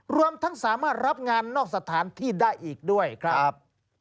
รวมทั้งสามารถรับงานนอกสถานที่ได้อีกด้วยครับ